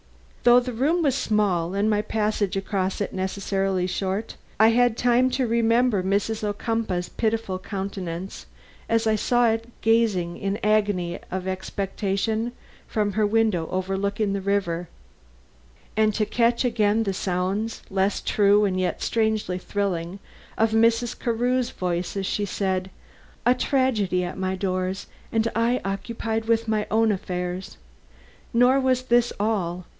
Though the room was small and my passage across it necessarily short, I had time to remember Mrs. Ocumpaugh's pitiful countenance as I saw it gazing in agony of expectation from her window overlooking the river, and to catch again the sounds, less true and yet strangely thrilling, of Mrs. Carew's voice as she said: "A tragedy at my doors and I occupied with my own affairs!" Nor was this all.